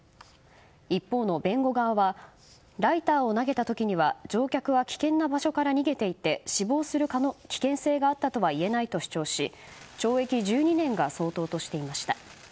一方の弁護側はライターを投げた時には乗客は危険な場所から逃げていて死亡する危険性があったとは言えないと主張し懲役１２年が相当としていました。